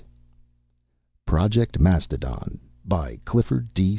] PROJECT MASTODON By Clifford D.